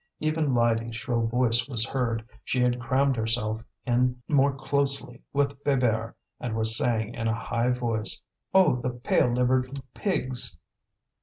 Even Lydie's shrill voice was heard. She had crammed herself in more closely, with Bébert, and was saying, in a high voice: "Oh, the pale livered pigs!"